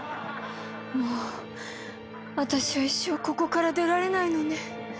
もう私は一生ここから出られないのね。